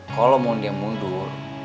kalau mondi yang mundur